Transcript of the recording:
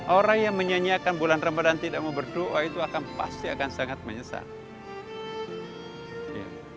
orang yang menyanyiakan bulan ramadan tidak mau berdoa itu akan pasti akan sangat menyesat